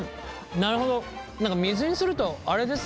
なるほど水にするとあれですね。